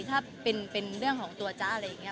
ถ้าเป็นเรื่องของตัวจ๊ะอะไรอย่างนี้